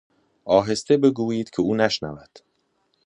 آهسته بگوئید که او نشنود